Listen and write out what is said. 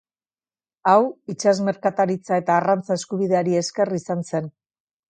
Hau itsas merkataritza eta arrantza eskubideari esker izan zen.